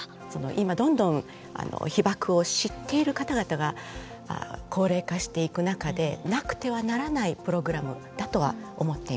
今どんどん被爆を知っている方々が高齢化していく中でなくてはならないプログラムだとは思っています。